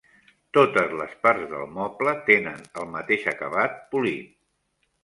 Totes les parts del moble tenen el mateix acabat polit.